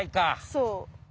そう。